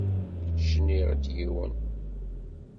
Cniɣ-d yiwen.